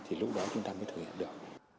thì lúc đó chúng ta mới thử hiểu được